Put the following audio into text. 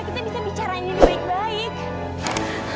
kita bisa bicarain lebih baik baik